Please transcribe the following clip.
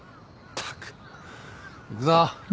行くぞ。